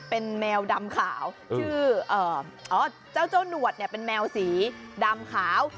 เป็นแมวดำขาวเจ้าหนวดเป็นแมวสีดำขาว